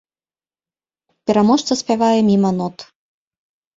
Пераможца спявае міма нот.